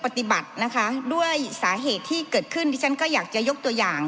ปฏิบัตินะคะด้วยสาเหตุที่เกิดขึ้นดิฉันก็อยากจะยกตัวอย่าง